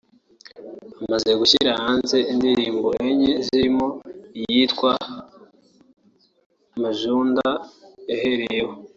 Amaze gushyira hanze indirimbo enye zirimo iyitwa ‘Majunda’ yahereyeho